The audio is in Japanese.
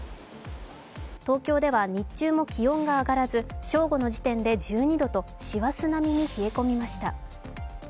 東京では日中も気温が上がらず、正午の時点で１２度と師走並みに冷え込みました。